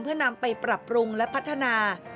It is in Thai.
เพื่อนำไปปรับปรุงและพัฒนา